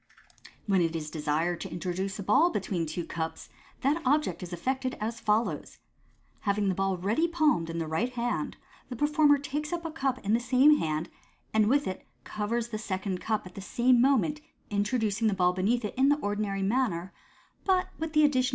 When it is desired to introduce a ball between two cups, that object is effected as follows :— Having the ball ready palmed in the right hand, the performer takes up a l@b\ CUP *n t^ie same nanc*> and w^h it covers the second If *A\ cup, at the same moment introducing the ball be Jl Vy neath it in the ordinary manner, but with the addition U.